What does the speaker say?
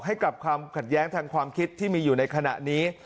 ให้กับความขัดแย้งทางความคิดที่มีอยู่ในขณะนี้